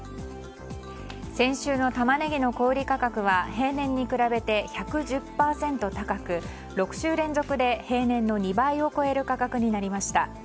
先週のタマネギの小売価格は平年に比べて１１０％高く６週連続で平年の２倍を超える価格になりました。